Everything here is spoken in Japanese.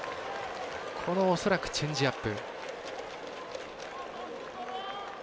恐らくチェンジアップ。